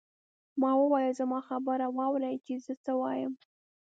ما وویل زما خبره واورئ چې زه څه وایم.